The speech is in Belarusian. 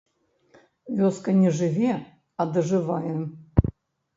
Вёска не жыве, а дажывае.